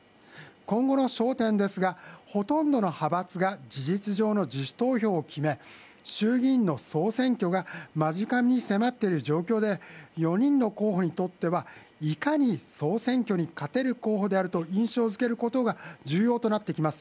今後の焦点ですが、ほとんどの派閥が事実上の自主投票を決め、総選挙が間近に迫っている状況で４人の候補にとってはいかに総選挙に勝てる候補であると印象づけることが重要になってきます。